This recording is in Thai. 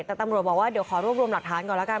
แต่ตำรวจบอกว่าเดี๋ยวขอรวบรวมหลักฐานก่อนแล้วกัน